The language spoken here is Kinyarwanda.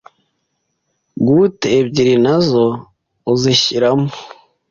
gout ebyiri nazo uzishyiramo